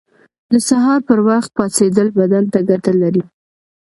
• د سهار پر وخت پاڅېدل بدن ته ګټه لري.